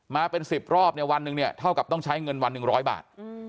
มาเป็น๑๐รอบเนี่ยวันหนึ่งเนี่ยเท่ากับต้องใช้เงินวัน๑๐๐บาท